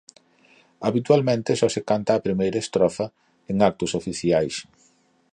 Habitualmente só se canta a primeira estrofa en actos oficiais.